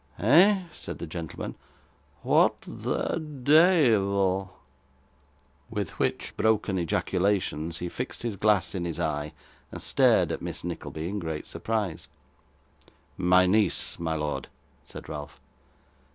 'Eh!' said the gentleman. 'What the deyvle!' With which broken ejaculations, he fixed his glass in his eye, and stared at Miss Nickleby in great surprise. 'My niece, my lord,' said Ralph.